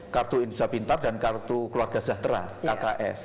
kartu indonesia pintar dan kartu keluarga sejahtera kks